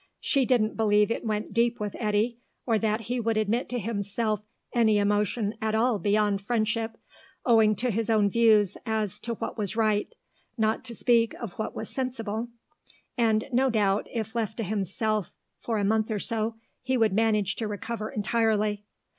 She didn't believe it went deep with Eddy, or that he would admit to himself any emotion at all beyond friendship, owing to his own views as to what was right, not to speak of what was sensible; and no doubt if left to himself for a month or so, he would manage to recover entirely.